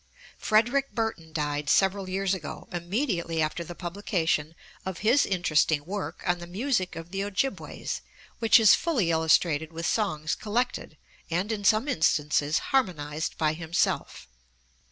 Frederick Burton died several years ago, immediately after the publication of his interesting work on the music of the Ojibways, which is fully illustrated with songs collected and in some instances harmonized by himself.